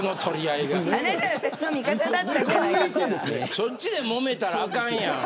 そっちで、もめたらあかんやん。